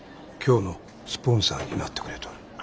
今日のスポンサーになってくれとる。